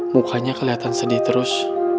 mukanya kelihatan sedih terus